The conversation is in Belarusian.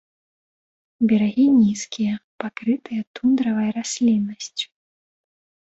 Берагі нізкія, пакрытыя тундравай расліннасцю.